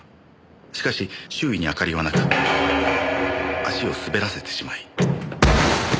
しかし周囲に明かりはなく足を滑らせてしまい。